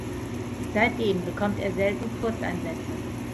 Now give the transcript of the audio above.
Seit dem bekommt er selten Kurzeinsätze.